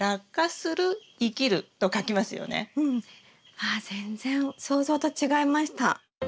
わ全然想像と違いました。